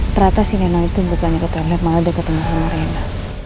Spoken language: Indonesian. terata si nenek itu bukannya ketulih malah udah ketemu sama renda